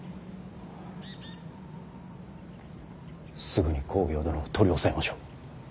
すぐに公暁殿を取り押さえましょう。